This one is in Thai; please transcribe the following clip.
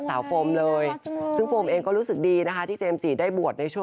จริงผมก็รู้สึกผิดเหมือนกันครับ